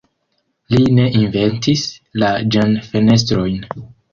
Li ne inventis la ĝen-fenestrojn.